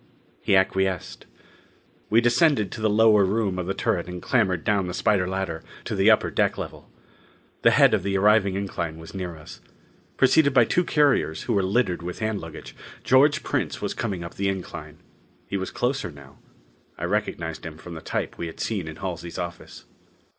He acquiesced. We descended to the lower room of the turret and clambered down the spider ladder to the upper deck level. The head of the arriving incline was near us. Preceded by two carriers who were littered with hand luggage, George Prince was coming up the incline. He was closer now. I recognized him from the type we had seen in Halsey's office.